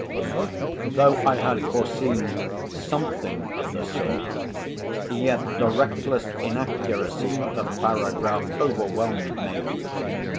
Though I had foreseen something of the sort, yet the reckless inaccuracy of the paragraph overwhelmed me.